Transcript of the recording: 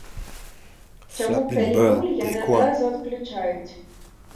Чаму, калі нуль, яны адразу адключаюць?